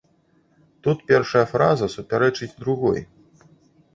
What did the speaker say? Тут першая фраза супярэчыць другой.